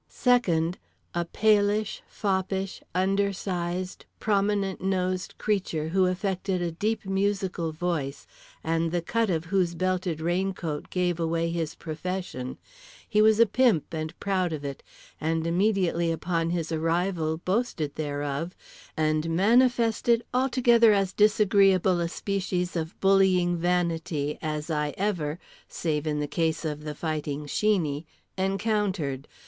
Second, a palish, foppish, undersized, prominent nosed creature who affected a deep musical voice and the cut of whose belted raincoat gave away his profession—he was a pimp, and proud of it, and immediately upon his arrival boasted thereof, and manifested altogether as disagreeable a species of bullying vanity as I ever (save in the case of The Fighting Sheeney) encountered.